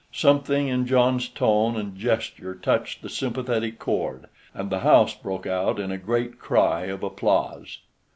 Something in John's tone and gesture touched the sympathetic chord, and the house broke out in a great cry of applause.